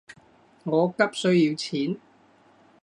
我急需要錢